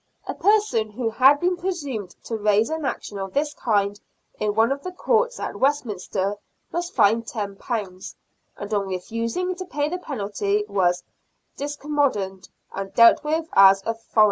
A person who had presumed to raise an action of this kind in one of the courts at Westminster was fined £10, and on refusing to pay the penalty was " discommoned," and dealt with as a " foreigner."